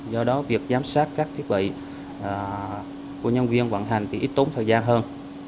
do đó việc giám sát các thiết bị của nhân viên vận hành thì ít tốn thời gian hơn